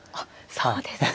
そうですか。